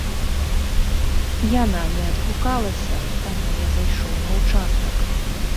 Яна не адгукалася, таму я зайшоў на ўчастак.